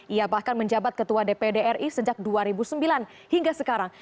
ia bahkan menjabat ketua dpd ri sejak dua ribu sembilan hingga sekarang